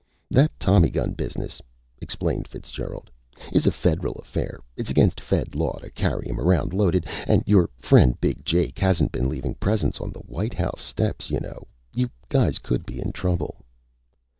"That tommy gun business," explained Fitzgerald, "is a federal affair. It's against Fed law to carry 'em around loaded. And your friend Big Jake hasn't been leavin' presents on the White House steps. Y'know, you guys could be in trouble!"